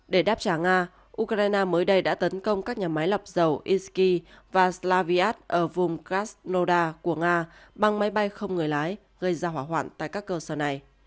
để đáp trả nga ukraine mới đây đã tấn công các nhà máy lọc dầu insky và slaviat ở vùng casnoda của nga bằng máy bay không người lái gây ra hỏa hoạn tại các cơ sở này